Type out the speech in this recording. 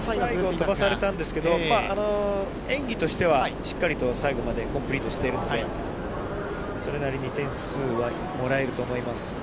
飛ばされたんですけど、まあ、演技としては、しっかりと最後までコンプリートしてるんで、それなりに点数はもらえると思います。